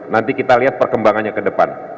nanti kita lihat perkembangannya ke depan